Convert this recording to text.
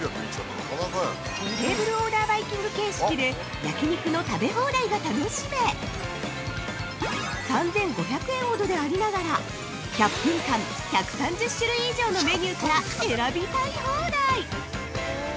テーブルオーダーバイキング形式で焼き肉の食べ放題が楽しめ３５００円ほどでありながら１００分間、１３０種類以上のメニューから選びたい放題！